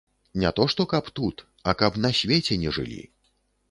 Не то што каб тут, а каб на свеце не жылі.